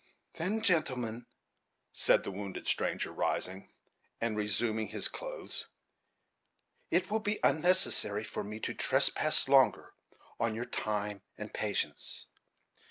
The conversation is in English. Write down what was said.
"Then, gentlemen," said the wounded stranger, rising, and resuming his clothes, "it will be unnecessary for me to trespass longer on your time and patience.